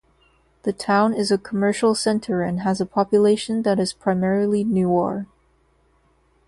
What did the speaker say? The town is a commercial center and has a population that is primarily Newar.